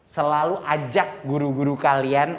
selalu ajak guru guru kalian